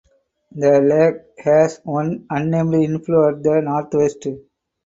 The lake has one unnamed inflow at the northwest.